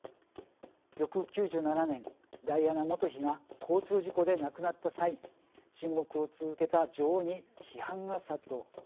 翌９７年ダイアナ元妃が交通事故で亡くなった際沈黙を続けた女王に批判が殺到。